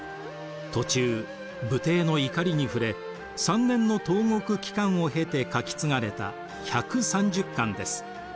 途中武帝の怒りに触れ３年の投獄期間を経て書き継がれた１３０巻です。